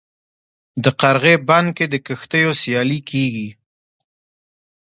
د قرغې بند کې د کښتیو سیالي کیږي.